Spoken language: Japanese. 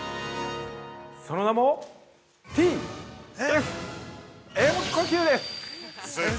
その名もＴ・Ｆ・Ｍ呼吸です！